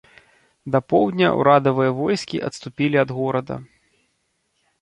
Да поўдня ўрадавыя войскі адступілі ад горада.